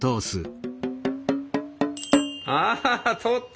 あ通った！